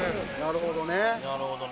なるほどね。